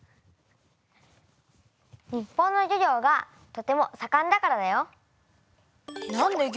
日本の漁業がとてもさかんだからだよ。